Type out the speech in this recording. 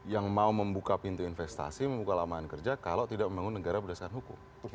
yang mau membuka pintu investasi membuka laman kerja kalau tidak membangun negara berdasarkan hukum